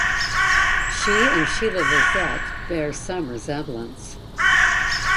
She and Sheilla Lissette bear some resemblance.